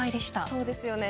そうですよね。